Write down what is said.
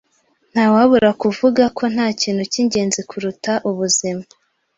Ntawabura kuvuga ko ntakintu cyingenzi kuruta ubuzima.